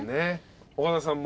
岡田さんも？